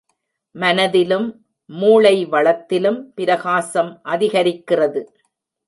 மனதிலும் மூளை வளத்திலும் பிரகாசம் அதிகரிக்கிறது.